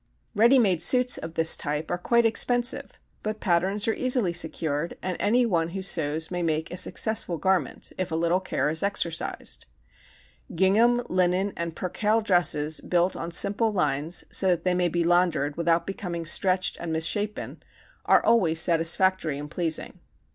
Ready made suits of this type are quite expensive but patterns are easily secured and any one who sews may make a successful garment if a little care is exercised. Gingham, linen, and percale dresses built on simple lines so that they may be laundered without becoming stretched and misshapen, are always satisfactory and pleasing.